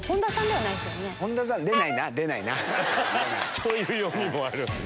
そういう読みもあるんすね。